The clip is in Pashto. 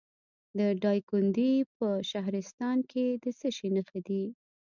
د دایکنډي په شهرستان کې د څه شي نښې دي؟